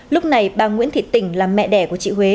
lúc này bà nguyễn thị tỉnh là mẹ đẻ của chị huế